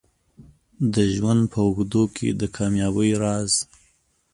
د ژوند په اوږدو کې د کامیابۍ راز